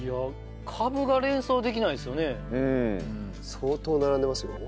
相当並んでますよ。